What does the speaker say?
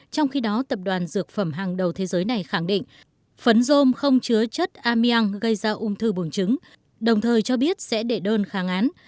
trong khi đó tập đoàn dược phẩm hàng đầu thế giới này khẳng định phấn rôm không chứa chất amiang gây ra ung thư bùng chứng đồng thời cho biết sẽ để đơn kháng án